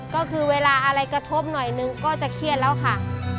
ก็คือเวลาอะไรกระทบหน่อยนึงก็จะเครียดแล้วค่ะ